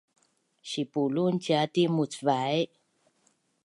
Sipulun ciati mucvai?